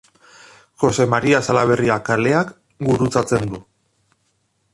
Jose Maria Salaberria kaleak gurutzatzen du.